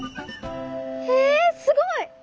えすごい。